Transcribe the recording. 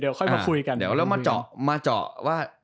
เดี๋ยวมาเจาะว่า